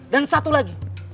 dan satu lagi